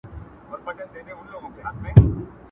د سندرو سره غبرګي وايي ساندي!!